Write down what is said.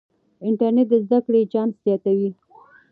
انټرنیټ د زده کړې چانس زیاتوي.